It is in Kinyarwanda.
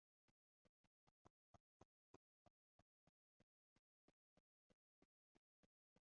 iryo koraniro ryo mu mwaka wa ryagombaga kuba